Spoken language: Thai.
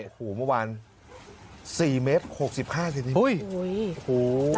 โอ้โหเมื่อวาน๔เมตร๖๕เซนติเมตร